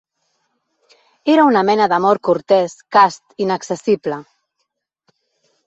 Era una mena d'amor cortès, cast i inaccessible.